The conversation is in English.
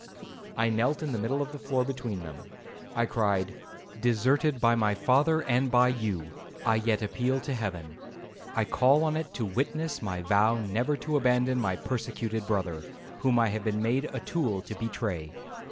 I knelt in the middle of the floor between them. I cried, 'Deserted by my father and by you, I yet appeal to Heaven. I call on it to witness my vow never to abandon my persecuted brother, whom I have been made a tool to betray.